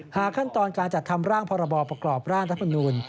ขั้นตอนการจัดทำร่างพรบประกอบร่างรัฐมนูล